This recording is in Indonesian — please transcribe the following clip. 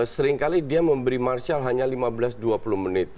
seringkali dia memberi martial hanya lima belas dua puluh menit